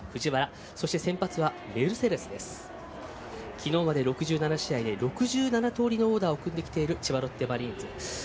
昨日まで６７試合で６７通りのオーダーを組んできている千葉ロッテマリーンズ。